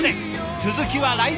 続きは来年。